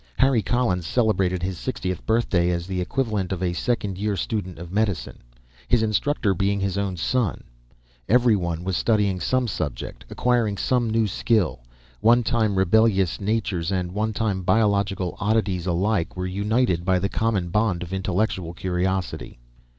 Harry Collins celebrated his sixtieth birthday as the equivalent of a second year student of medicine; his instructor being his own son. Everyone was studying some subject, acquiring some new skill. One time rebellious natures and one time biological oddities alike were united by the common bond of intellectual curiosity.